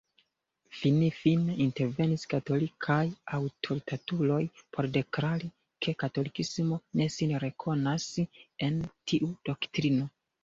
Finfine intervenis katolikaj aŭtoritatuloj por deklari ke katolikismo ne sin rekonas en tiu doktrino.